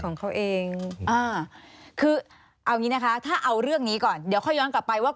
ของเขาเองอ่าคือเอางี้นะคะถ้าเอาเรื่องนี้ก่อนเดี๋ยวค่อยย้อนกลับไปว่า